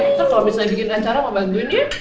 maksudnya kalau bisa bikin acara mau bantuin ya